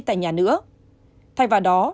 tại nhà nữa thay vào đó